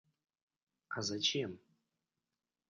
А зачем?